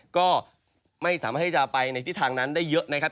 ก็ไม่สามารถที่จะไปในทิศทางนั้นได้เยอะนะครับ